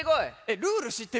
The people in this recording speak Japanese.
ルールしってる？